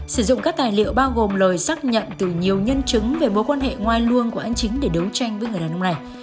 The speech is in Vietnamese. sử dụng các tài liệu bao gồm lời xác nhận từ nhiều nhân chứng về mối quan hệ ngoài luôn của anh chính để đấu tranh với người đàn ông này